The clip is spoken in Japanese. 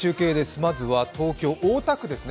まずは東京・大田区ですね。